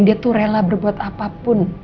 dia rela berbuat apa pun